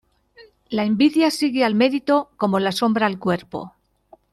La envidia sigue al mérito, como la sombra al cuerpo.